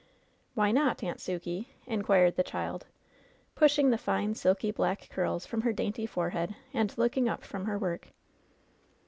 "Why not, Aimt Sukey ?" inquired the child, pushing the fine, silky black curls from her dainty forehead and looking up from her work.